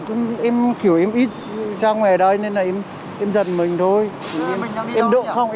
em thấy em kiểu em ít ra ngoài đây nên là em giật mình thôi